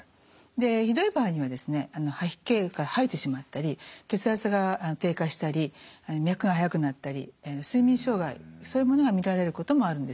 ひどい場合には吐き気吐いてしまったり血圧が低下したり脈が速くなったり睡眠障害そういうものが見られることもあるんです。